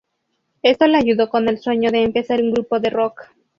Esto le ayudó con el sueño de empezar un grupo de rock.